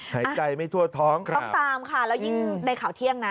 หายใจไม่ทั่วท้องครับต้องตามค่ะแล้วยิ่งในข่าวเที่ยงนะ